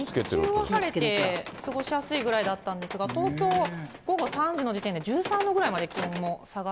日中は晴れて過ごしやすいぐらいだったんですが、東京は午後３時の時点で、１３度ぐらいまで気温も下がって。